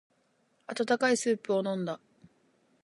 温かいスープを飲んだ。